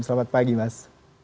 selamat pagi mas